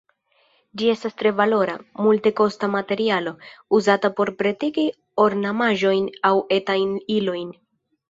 Ĝi estas tre valora, multekosta materialo, uzata por pretigi ornamaĵojn aŭ etajn ilojn.